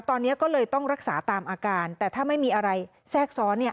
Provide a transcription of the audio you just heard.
ตอนนี้ก็เลยต้องรักษาตามอาการแต่ถ้าไม่มีอะไรแทรกซ้อนเนี่ย